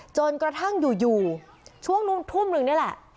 จนกระทั่งอยู่ช่วงทุ่มหนึ่งนี่แหละ